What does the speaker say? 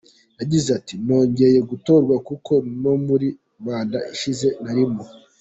Yagize ati “Nongeye gutorwa kuko no muri manda ishize narimo.